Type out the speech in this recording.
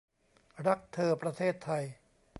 รักเธอประเทศไทย